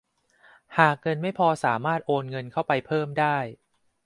หากเงินไม่พอสามารถโอนเงินเข้าไปเพิ่มได้